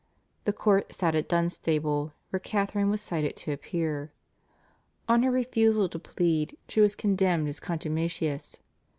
The court sat at Dunstable, where Catharine was cited to appear. On her refusal to plead she was condemned as contumacious.